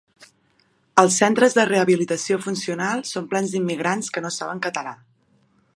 Els centres de rehabilitació funcional són plens d'immigrants que no saben català